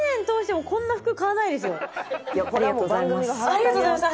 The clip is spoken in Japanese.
「ありがとうございます」。